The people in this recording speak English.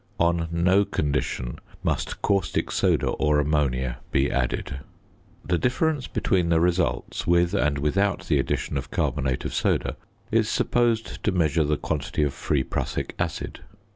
On no condition must caustic soda or ammonia be added. The difference between the results, with and without the addition of carbonate of soda, is supposed to measure the quantity of free prussic acid.